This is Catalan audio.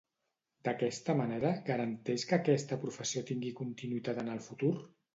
D'aquesta manera, garanteix que aquesta professió tingui continuïtat en el futur?